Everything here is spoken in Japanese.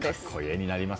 画になります。